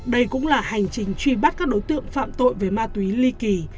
đây cũng là hành trình truy bắt các đối tượng phạm tội về ma túy ly kỳ